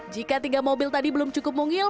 jika tiga mobil tadi belum cukup mungil